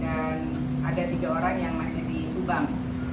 dan ada tiga orang yang masih disubang